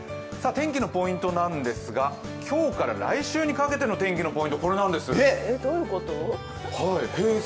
天気のポイントなんですが今日から来週にかけてのポイントはこちらなんです。